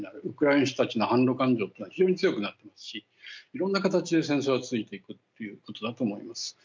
ウクライナの人たちの反ロ感情というのは非常に強くなっていますしいろんな形で戦争が続いていくということだと思います。